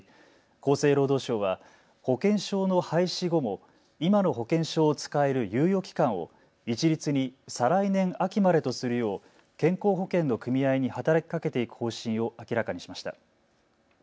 厚生労働省は保険証の廃止後も今の保険証を使える猶予期間を一律に再来年秋までとするよう健康保険の組合に働きかけていく方針を明らかにしました。